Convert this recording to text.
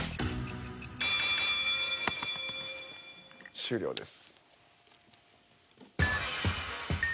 終了です。